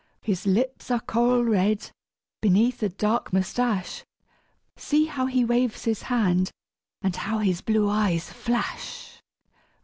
His lips are coral red beneath a dark moustache; See how he waves his hand and how his blue eyes flash!